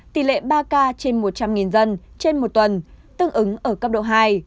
tỷ lệ ba k trên một trăm linh dân trên một tuần tương ứng ở cấp độ hai